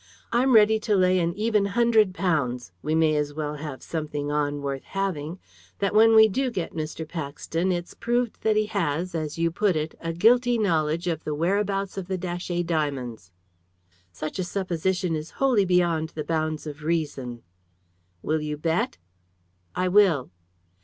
I'm ready to lay an even hundred pounds we may as well have something on worth having that when we do get Mr. Paxton it's proved that he has, as you put it, a guilty knowledge of the whereabouts of the Datchet diamonds." "Such a supposition is wholly beyond the bounds of reason." "Will you bet?" "I will."